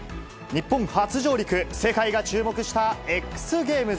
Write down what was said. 日本初上陸、世界が注目したＸＧａｍｅｓ。